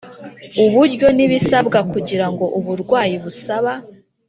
Uburyo n ibisabwa kugira ngo uburwayi busaba